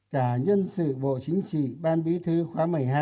cả nhân sự bộ chính trị ban bí thư khóa một mươi hai